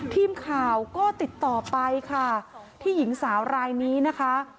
ทีมข่าวก็ติดต่อไปค่ะที่หญิงสาวรายนี้นะคะ